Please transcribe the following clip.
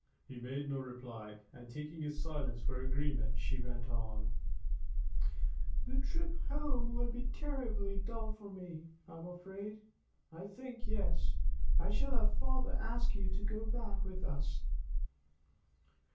He made no reply, and, taking his silence for agreement, she went on: "The trip home will be terribly dull for me, I'm afraid. I think yes, I shall have father ask you to go back with us."